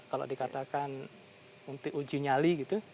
kalau dikatakan untuk uji nyali gitu